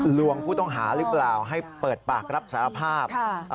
ลวงผู้ต้องหาหรือเปล่าให้เปิดปากรับสารภาพ